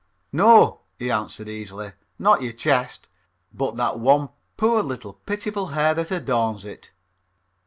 "No," he answered easily, "not your chest, but that one poor little pitiful hair that adorns it.